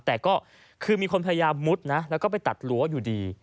แต่ก็คือมีคนพยายามมุดนะแล้วก็ไปตัดรั้วอยู่ดี